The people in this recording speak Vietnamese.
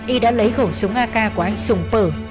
y đã lấy khẩu súng ak của anh sùng phở